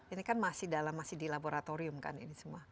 ini kan masih dalam masih di laboratorium kan ini semua